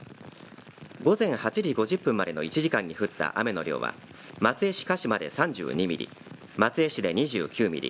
午前８時５０分までの１時間に降った雨の量は松江市鹿島で３２ミリ、松江市で２９ミリ